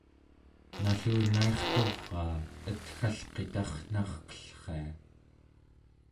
nallunairturaa etgalqitarnarqellria